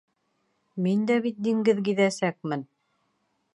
Мин дә бит диңгеҙ гиҙәсәкмен!